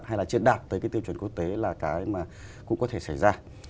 hay là triệt đạt tới tiêu chuẩn quốc tế là cái mà cũng có thể xảy ra